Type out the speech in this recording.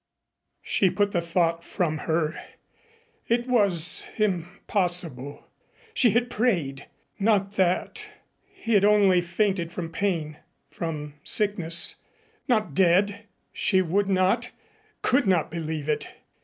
She put the thought from her. It was impossible. She had prayed. Not that.... He had only fainted from pain, from sickness. Not dead she would not could not believe it.